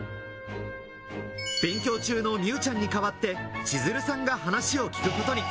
勉強中の美羽ちゃんに代わって千鶴さんが話を聞くことに。